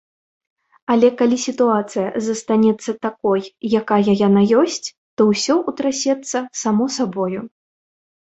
Але калі сітуацыя застанецца такой, якая яна ёсць, то ўсё ўтрасецца само сабою.